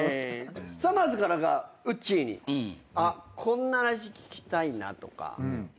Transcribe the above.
さまぁずからうっちーに「こんな話聞きたいな」とか。